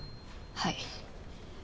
はい。